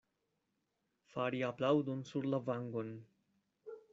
Fari aplaŭdon sur la vangon.